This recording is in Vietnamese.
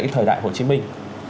thời đại hồ chí minh